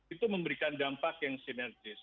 itu memberikan dampak yang sinergis